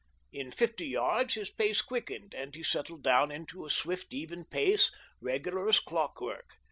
In fifty yards his pace quickened, and he settled down into a swift even pace, regular as clockwork.